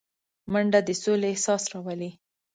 منډه د سولې احساس راولي